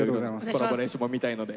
コラボレーションも見たいので。